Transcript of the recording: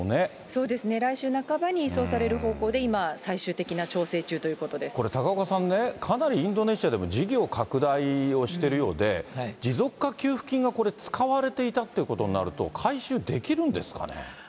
そうですね、来週半ばに移送される方向で今、これ、高岡さんね、かなりインドネシアでも事業拡大をしているようで、持続化給付金がこれ、使われていたってことになると、回収できるんですかね。